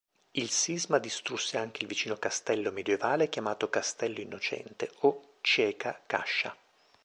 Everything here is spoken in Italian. Il sisma distrusse anche il vicino castello medioevale chiamato "Castello Innocente" o "Cieca Cascia".